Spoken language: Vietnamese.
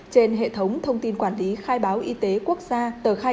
trên hệ thống thông tin quản lý khai báo y tế quốc gia tờ khai